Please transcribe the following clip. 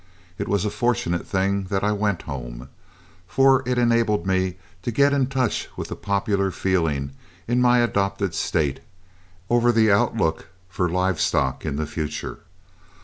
It was a fortunate thing that I went home, for it enabled me to get into touch with the popular feeling in my adopted State over the outlook for live stock in the future.